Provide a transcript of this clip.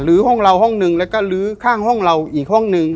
ห้องเราห้องหนึ่งแล้วก็ลื้อข้างห้องเราอีกห้องหนึ่ง